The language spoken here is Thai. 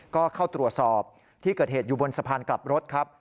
ก็เข้าตรวจสอบที่เกิดเหตุอยู่บนสะพานกลับรถครับ